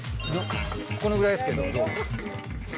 このぐらいですけどどう？